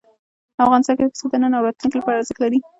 افغانستان کې پسه د نن او راتلونکي لپاره ارزښت لري.